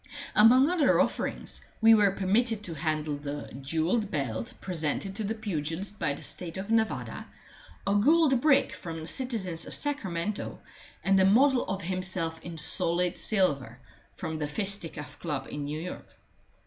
Among other offerings, we were permitted to handle the jewelled belt presented to the pugilist by the State of Nevada, a gold brick from the citizens of Sacramento, and a model of himself in solid silver from the Fisticuff Club in New York.